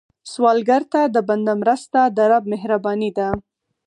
سوالګر ته د بنده مرسته، د رب مهرباني ده